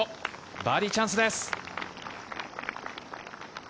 バーディーチャンスです。